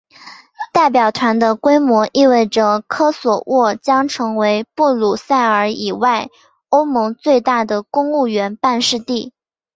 代表团的规模意味着科索沃将成为布鲁塞尔以外欧盟最大的公务员办事地。